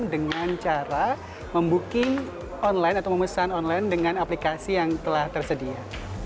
dengan cara membooking online atau memesan online dengan aplikasi yang telah tersedia